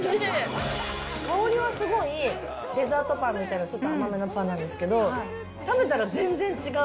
香りはすごい、デザートパンみたいな、ちょっと甘めなパンなんですけど、食べたら全然違う。